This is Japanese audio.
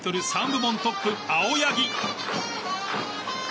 ３部門トップ、青柳。